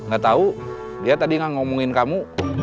gak tau dia tadi nggak ngomongin kamu